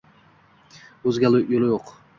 o‘zga yo‘li yo‘q.